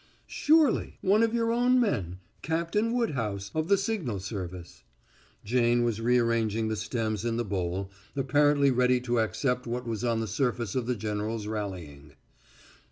"Surely. One of your own men Captain Woodhouse, of the signal service." Jane was rearranging the stems in the bowl, apparently ready to accept what was on the surface of the general's rallying.